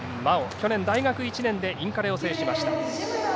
去年、大学１年でインカレを制しました。